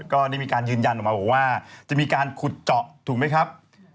ก็ได้มีการยืนยันออกมาบอกว่าจะมีการขุดเจาะถูกไหมครับ